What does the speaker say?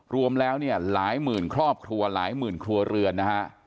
รวมแล้วหลายหมื่นครอบครัวหลายหมื่นครัวเรือน